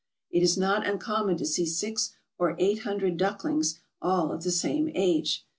It is not uncommon tc see six or eight hundred ducklings all of the same age.